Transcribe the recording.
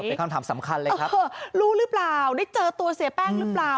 เป็นคำถามสำคัญเลยครับรู้หรือเปล่าได้เจอตัวเสียแป้งหรือเปล่า